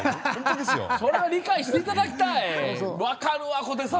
それは理解していただきたい！